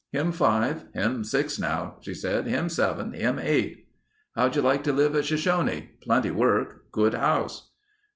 "Him five ... him six now," she said. "Him seven. Him eight." "How'd you like to live at Shoshone? Plenty work. Good house."